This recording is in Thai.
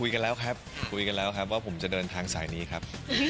กันแล้วครับคุยกันแล้วครับว่าผมจะเดินทางสายนี้ครับ